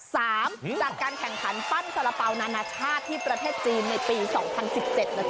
จากการแข่งขันปั้นสารเป๋านานาชาติที่ประเทศจีนในปี๒๐๑๗นะจ